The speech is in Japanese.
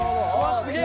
すげえ！